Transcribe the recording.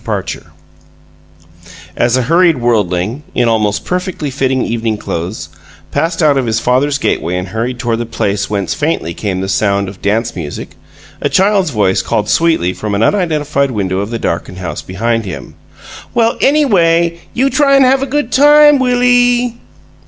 PARCHER As a hurried worldling, in almost perfectly fitting evening clothes, passed out of his father's gateway and hurried toward the place whence faintly came the sound of dance music, a child's voice called sweetly from an unidentified window of the darkened house behind him: "Well, ANYWAY, you try and have a good time, Willie!"